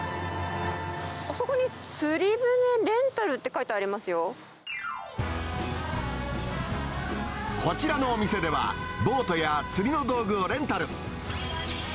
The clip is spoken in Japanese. あそこに釣り船レンタルってこちらのお店では、ボートや釣りの道具をレンタル。